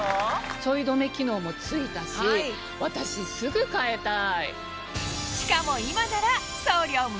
ちょい止め機能も付いたし私すぐ変えたい。